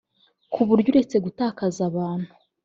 ku buryo uretse gutakaza abantu